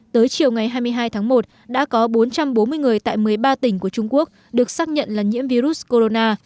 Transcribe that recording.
tới chiều ngày hai mươi hai tháng một đã có bốn trăm bốn mươi người tại một mươi ba tỉnh của trung quốc được xác nhận là nhiễm virus corona